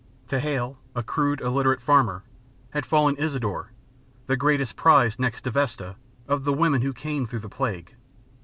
To Hale, a crude, illiterate farmer, had fallen Isadore, the greatest prize, next to Vesta, of the women who came through the plague.